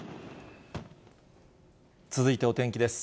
続いてお天気です。